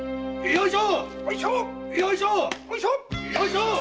よいしょ！